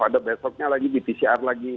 ada besoknya lagi di pcr lagi